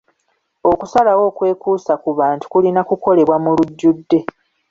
Okusalawo okwekuusa ku bantu kulina kukolebwa mu lujjudde.